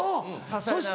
そして？